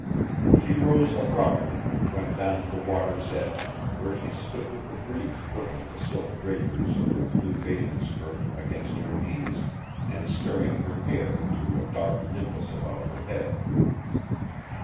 She rose abruptly and went down to the water's edge where she stood with the breeze whipping the silk draperies of her blue bathing skirt against her knees and stirring her hair into a dark nimbus about her head.